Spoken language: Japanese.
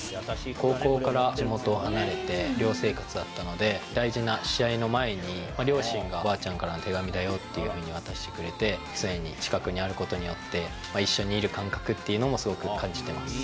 高校から地元を離れて、寮生活だったので、大事な試合の前に、両親がおばあちゃんからの手紙だよっていうふうに渡してくれて、常に近くにあることによって、一緒にいる感覚っていうのも、すごく感じてます。